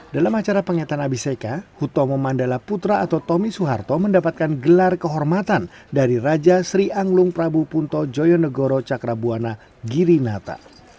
dalam acara pengetatan abiseka hutomo mandala putra atau tommy suharto mendapatkan gelar kehormatan dari raja sri anglung prabu punto joyonegoro cakrabuana girinata